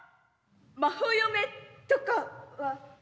「まほ嫁」とかは？